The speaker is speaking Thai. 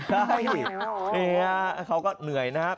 ใช่นี่ฮะเขาก็เหนื่อยนะครับ